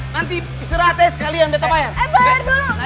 nanti istirahat ya sekalian betta bayar